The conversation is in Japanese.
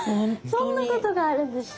そんなことがあるんですか！